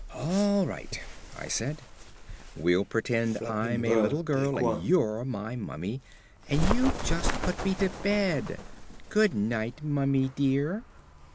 "All right," I said. "We'll pretend I'm a little girl, and you're my mummy, and you've just put me to bed.... Good night, mummy dear."